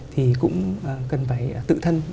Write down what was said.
thì cũng cần phải tự thân